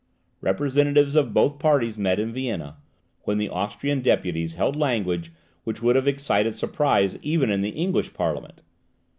Representatives of both parties met in Vienna, when the Austrian deputies held language which would have excited surprise even in the English Parliament.